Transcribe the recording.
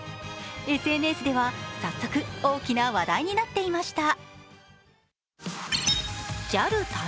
ＳＮＳでは早速、大きな話題になっていました。